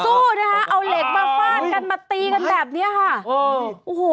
สู้นะฮะเอาเหล็กมาฟาดกันมาตีกันแบบนี้ค่ะอ่อ